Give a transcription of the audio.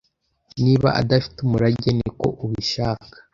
niba adafite umurage niko ubishaka